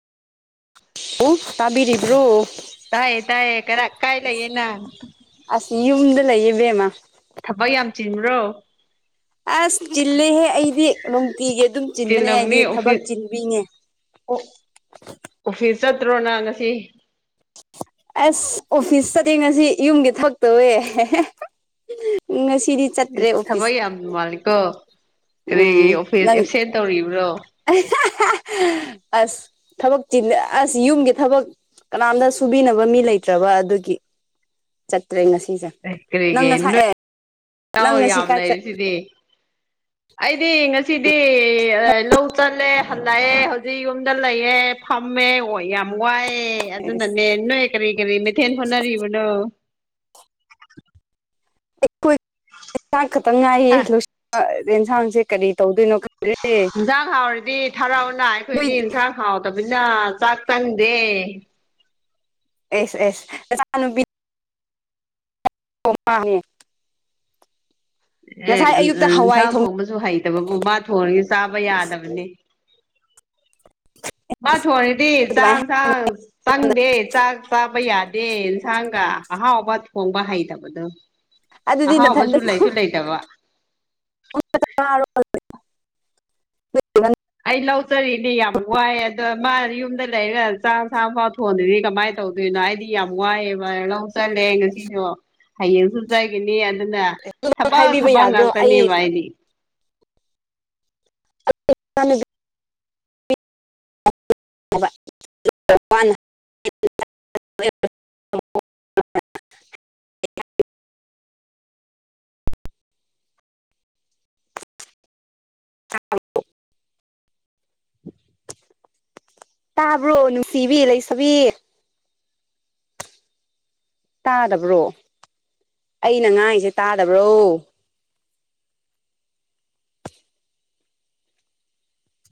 ꯑꯣ ꯇꯥꯕꯤꯔꯤꯕ꯭ꯔꯣ ꯇꯥꯏꯌꯦ ꯇꯥꯏꯌꯦ ꯀꯔ ꯀꯥꯏ ꯂꯩꯌꯦ ꯅꯪ ꯑꯁ ꯌꯨꯝꯗ ꯂꯩꯌꯦꯕꯦꯝꯃ ꯊꯕꯛ ꯌꯥꯝ ꯆꯤꯟꯕ꯭ꯔꯣ ꯑꯁ ꯂꯦꯦ ꯑꯩꯗꯤ ꯇꯤꯒꯤ ꯑꯗꯨꯝ ꯆꯤꯟꯕꯅꯦ ꯍꯥꯏꯗꯤ ꯆꯤꯜꯂꯝꯅꯤ ꯊꯕꯛ ꯑꯣꯐꯤꯁ ꯆꯤꯟꯕꯤꯅꯦ ꯆꯠꯇ꯭ꯔꯣꯅ ꯉꯁꯤ ꯑꯁ ꯑꯣꯐꯤꯁ ꯆꯗꯤꯦꯡ ꯉꯁꯤ ꯌꯨꯝꯒꯤ ꯊꯕꯛꯇꯧꯋꯦ ꯎ ꯏꯁꯁ ꯊꯕ ꯌꯥꯝꯝ ꯃꯥꯅꯤꯀꯣ ꯀꯔꯤꯒꯤ ꯎꯝ ꯑꯣꯐꯤꯁ ꯅꯪ ꯑꯦꯞꯁꯦꯟ ꯇꯧꯔꯤꯕ꯭ꯔꯣ ꯑꯁ ꯊꯕꯛ ꯆ ꯑꯁ ꯌꯨꯝꯒꯤ ꯊꯕꯛ ꯀꯅꯥꯝꯗ ꯁ ꯊꯕꯤꯅꯕ ꯃꯤ ꯂꯩꯇ꯭ꯔꯕ ꯑꯗꯨꯒꯤ ꯆꯠꯇ꯭ꯔꯦ ꯉꯁꯤꯁꯦ ꯑꯦ ꯀꯔꯤꯒꯤ ꯅꯪꯅꯁꯥꯛꯑ ꯅꯣꯏ ꯏꯅꯥꯎ ꯅꯪꯅ ꯁꯤ ꯌꯥꯝ ꯀꯥꯏ ꯆꯠꯂ ꯂꯩꯔꯤꯁꯤꯗꯤ ꯑꯩꯗꯤ ꯉꯁꯤꯗꯤ ꯂꯧ ꯆꯜꯂꯦ ꯍꯟꯂꯛꯑꯦ ꯍꯧꯖꯤꯛ ꯌꯨꯝꯗ ꯂꯩꯌꯦꯦ ꯊꯝꯃꯦ ꯑꯣ ꯌꯥꯝ ꯋꯥꯏꯑꯦ ꯑꯗꯨꯅꯅꯦ ꯑꯩꯈꯣꯏ ꯅꯣꯏ ꯀꯔꯤ ꯀꯔꯤ ꯃꯩꯊꯦꯟ ꯍꯣꯠꯅꯔꯤꯕꯅꯣ ꯑꯩꯈꯣꯏ ꯌꯦꯟꯁꯥꯡ ꯈꯛꯇ ꯉꯥꯏꯌꯦ ꯍꯥ ꯂꯣꯏꯁꯤ ꯌꯦꯟꯁꯥꯡꯁꯦ ꯀꯔꯤ ꯇꯧꯗꯣꯏꯅꯣ ꯈꯪꯗ꯭ꯔꯦ ꯏꯟꯁꯥꯡ ꯍꯥꯎꯔꯗꯤ ꯊꯔꯥꯎꯅ ꯅꯣꯏ ꯑꯩꯈꯣꯏꯗꯤ ꯌꯦꯟꯁꯥꯡ ꯍꯥꯎꯗꯕꯅꯤꯅ ꯆꯥꯛ ꯇꯟꯗꯦ ꯑꯦꯁ ꯑꯦꯁ ꯆ ꯀꯃ ꯑꯦ ꯍꯋꯥꯏ ꯏꯟꯁꯥꯡ ꯊꯣꯡ ꯊꯣꯡꯕꯁꯨ ꯍꯩꯇꯕꯕꯨ ꯃꯥ ꯊꯣꯡꯉꯒ ꯆꯥꯕ ꯌꯥꯗꯕꯅꯤ ꯃꯥ ꯊꯣꯡꯔꯤꯗꯤ ꯆꯥꯛ ꯑꯗꯨꯃꯥꯏꯅ ꯆꯥꯡ ꯆꯪꯗꯦ ꯆꯥꯛ ꯆꯥꯕ ꯌꯥꯗꯦ ꯏꯟꯁꯥꯡꯒ ꯑꯍꯥꯎꯕ ꯊꯣꯡꯕ ꯍꯩꯇꯕꯗꯣ ꯑꯗꯨꯗꯤ ꯑꯍꯥꯎꯕꯁꯨ ꯅꯊꯟꯗ ꯂꯩꯁꯨ ꯂꯩꯇꯕ ꯆꯥꯔꯣ ꯑꯩ ꯂ ꯂꯧ ꯆꯔꯤ ꯏꯅꯦ ꯌꯥꯝ ꯨ ꯋꯥꯏ ꯑꯗ ꯃꯥ ꯌꯨꯝꯗ ꯂꯩꯔꯒ ꯆꯥ ꯆꯥꯐꯥꯎ ꯊꯣꯟꯗꯗꯤ ꯀꯃꯥꯏꯅ ꯇꯧꯗꯣꯏꯅꯣ ꯍꯥꯏꯗꯤ ꯌꯥꯝ ꯋꯥꯏꯑꯦꯕ ꯆꯠꯂꯦ ꯉꯁꯤꯁꯨꯣ ꯍꯌꯦꯡꯁꯨ ꯆꯥꯏꯈꯤꯅꯤ ꯑꯗꯨꯅ ꯊꯕꯛ ꯍꯥꯏꯕꯤꯕ ꯊꯕꯛ ꯌꯥꯗ꯭ꯔꯣ ꯉꯥꯛꯇꯅꯦꯕ ꯑꯩ ꯍꯥꯏꯗꯤ ꯑ ꯄ [unintelligible] ꯊꯣ ꯇꯥꯕ꯭ꯔꯣ ꯅꯨꯡꯁꯤꯕꯤ ꯂꯩꯁꯕꯤ ꯇꯥꯗꯕ꯭ꯔꯣ ꯑꯩꯅ ꯉꯥꯡꯉꯁꯦ ꯇꯥꯗꯕ꯭ꯔꯣ [unintelligible]